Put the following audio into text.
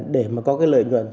để có lợi nhuận